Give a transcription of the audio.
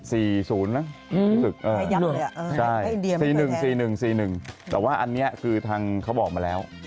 ใช่๔๐นะอืมใช่๔๑แต่ว่าอันนี้คือทางเขาบอกมาแล้ว